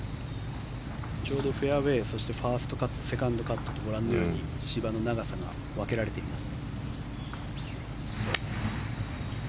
ちょうどフェアウェーファーストカットセカンドカットとご覧のように芝の長さが分けられています。